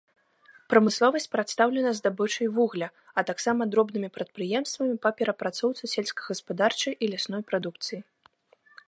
Прамысловасць прадстаўлена здабычай вугля, а таксама дробнымі прадпрыемствамі па перапрацоўцы сельскагаспадарчай і лясной прадукцыі.